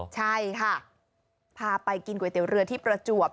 ใช่ค่ะพาไปกินก๋วยเตี๋ยวเรือที่ประจวบ